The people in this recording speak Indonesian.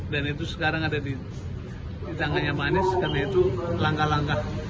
dan itu sekarang ada di tangannya anies karena itu langkah langkah